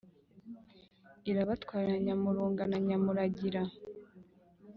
irabatwarira nyamurunga na nyamuragira